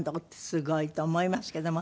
すごいと思いますけども。